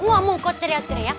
wah mungkot teriak teriak